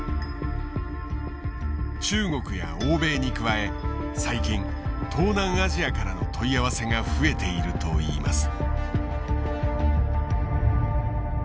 中国や欧米に加え最近東南アジアからの問い合わせが増えているといいます。